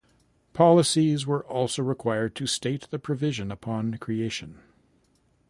Policies were also required to state the provision upon creation.